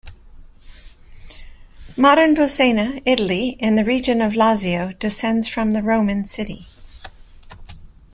Modern Bolsena, Italy, in the region of Lazio, descends from the Roman city.